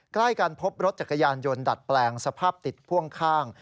ใกล้กันพบรถจักรยานยนต์ดัดแปลงสภาพติดพ่วงข้าง